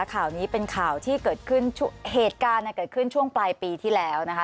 ข่าวนี้เป็นข่าวที่เกิดขึ้นเหตุการณ์เนี่ยเกิดขึ้นช่วงปลายปีที่แล้วนะคะ